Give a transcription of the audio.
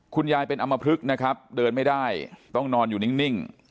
คุณยายเป็นอำมพลึกนะครับเดินไม่ได้ต้องนอนอยู่นิ่ง